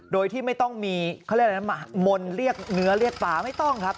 โดยที่ไม่ต้องมีเขาเรียกอะไรนะมนต์เรียกเนื้อเรียกฟ้าไม่ต้องครับ